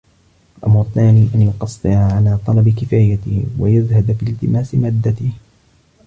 وَالْأَمْرُ الثَّانِي أَنْ يُقَصِّرَ عَنْ طَلَبِ كِفَايَتِهِ ، وَيَزْهَدَ فِي الْتِمَاسِ مَادَّتِهِ